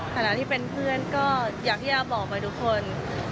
ขณะที่เป็นเพื่อนก็อยากที่จะบอกไปทุกคน